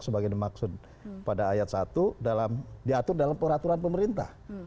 sebagai dimaksud pada ayat satu diatur dalam peraturan pemerintah